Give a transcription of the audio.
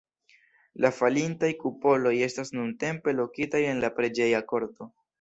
La falintaj kupoloj estas nuntempe lokitaj en la preĝeja korto.